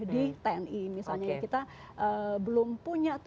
di tni misalnya ya kita belum punya